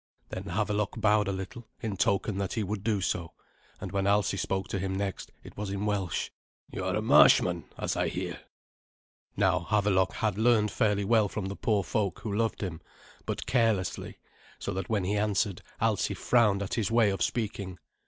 Then Havelok bowed a little, in token that he would do so; and when Alsi spoke to him next it was in Welsh. "You are a marshman, as I hear?" Now Havelok had learned fairly well from the poor folk who loved him, but carelessly, so that when he answered Alsi frowned at his way of speaking.